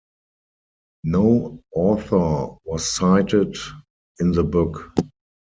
No author was cited in the book.